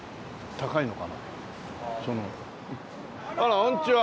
あらこんにちは。